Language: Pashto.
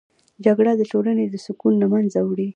جګړه د ټولنې سکون له منځه وړي